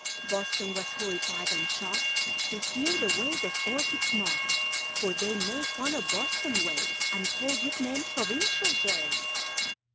Boston was horrified and shocked To hear the way those Orchids mocked; For they made fun of Boston ways, And called good men Provincial Jays!